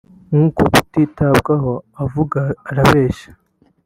Kuko kutitabwaho avuga arabeshya